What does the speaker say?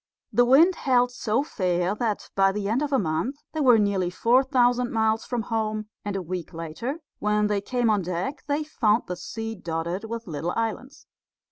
The wind held so fair that by the end of a month they were nearly four thousand miles from home, and a week later when they came on deck they found the sea dotted with little islands.